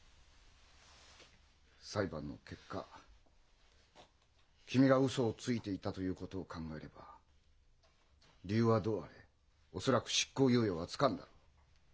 裁判の結果君がウソをついていたということを考えれば理由はどうあれ恐らく執行猶予はつかんだろう。